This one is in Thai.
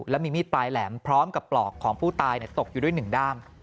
และมีมีดปลายแหลมพร้อมกับปลอกของผู้ตายตกอยู่ด้วย๑ด้าม